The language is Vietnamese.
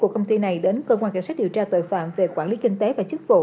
công ty này đến cơ quan kiểm soát điều tra tội phạm về quản lý kinh tế và chức vụ